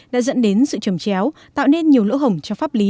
đã dẫn đến sự trầm chéo tạo nên nhiều lỗ hổng cho pháp lý